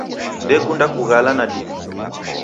Dekunda kughala nadime.